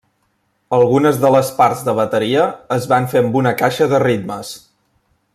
Algunes de les parts de bateria es van fer amb una caixa de ritmes.